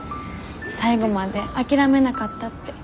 最後まで諦めなかったって。